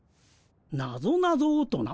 なぞなぞをとな？